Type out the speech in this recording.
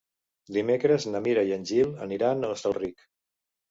Dimecres na Mira i en Gil aniran a Hostalric.